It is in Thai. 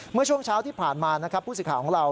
เมื่อช่วงเช้าที่ผ่านมานะครับผู้สิทธิ์ของเรา